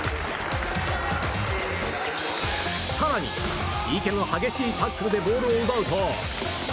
更に、池の激しいタックルでボールを奪うと。